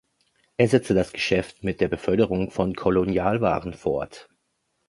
Er setzte das Geschäft mit der Beförderung von Kolonialwaren fort.